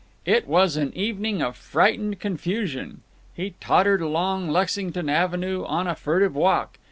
It was an evening of frightened confusion. He tottered along Lexington Avenue on a furtive walk.